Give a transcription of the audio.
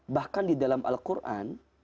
bahkan di dalam al quran